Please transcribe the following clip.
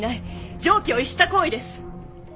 常軌を逸した行為です。